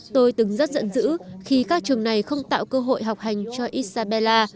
tôi từng rất giận dữ khi các trường này không tạo cơ hội học hành cho isabella